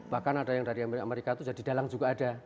bahkan ada yang dari amerika itu jadi dalang juga ada